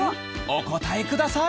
お答えください